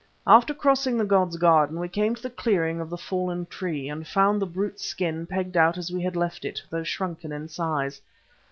After crossing the god's garden, we came to the clearing of the Fallen Tree, and found the brute's skin pegged out as we had left it, though shrunken in size.